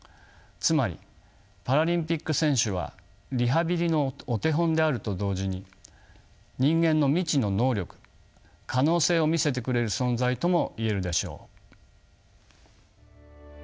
つまりパラリンピック選手はリハビリのお手本であると同時に人間の未知の能力可能性を見せてくれる存在とも言えるでしょう。